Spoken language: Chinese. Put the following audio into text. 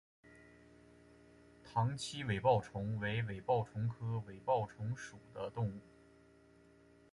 塘栖尾孢虫为尾孢科尾孢虫属的动物。